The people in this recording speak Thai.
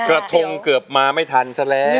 กระทงเกือบมาไม่ทันซะแล้ว